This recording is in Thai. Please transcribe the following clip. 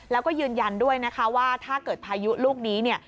แล้วก็ยืนยันด้วยว่าถ้าเกิดพายุลูกนี้